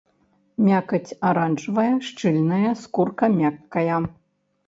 Мякаць аранжавая, шчыльная, скурка мяккая.